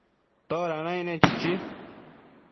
¿toda naicne?chichi